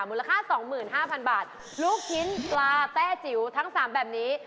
มูลค่า๒๕๐๐๐บาทลูกชิ้นปลาแต้จิ๋วทั้ง๓แบบนี้